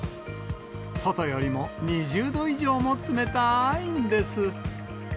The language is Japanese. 外よりも２０度以上も冷たいんです。